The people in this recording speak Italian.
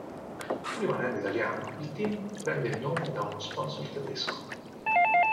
Pur rimanendo italiano, il team prende il nome da uno sponsor tedesco.